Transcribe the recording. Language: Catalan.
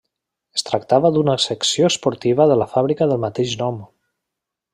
Es tractava d'una secció esportiva de la fàbrica del mateix nom.